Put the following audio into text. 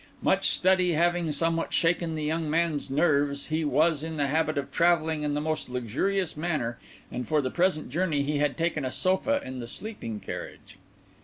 Much study having somewhat shaken the young man's nerves, he was in the habit of travelling in the most luxurious manner; and for the present journey he had taken a sofa in the sleeping carriage.